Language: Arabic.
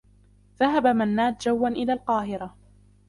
ذهب منّاد جوّا إلى القاهرة.